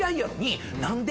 何で？